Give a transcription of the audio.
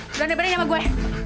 berani berani sama gue